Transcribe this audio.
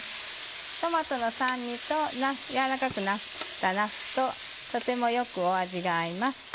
トマトの酸味と軟らかくなったなすととてもよく味が合います。